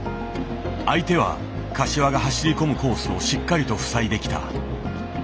相手は柏が走り込むコースをしっかりと塞いできた。